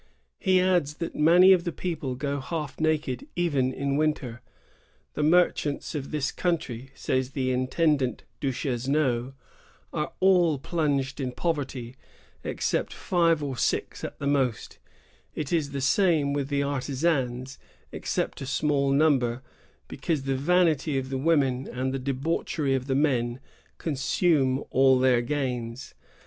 3 He adds that many of the people go half naked even in winter. " The merchants of this country," says the intendant Duchesneau, "are all plunged in poverty, except five or six at the most; it is the same with the artisans, except a small number, because the vanity of the women and the debauchery of the men consume all their gains.